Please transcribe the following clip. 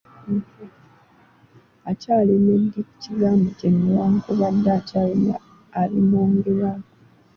Akyalemedde ku kigambo kye newankubadde akyalina ebimwogerwako.